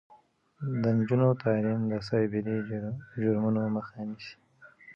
د نجونو تعلیم د سایبري جرمونو مخه نیسي.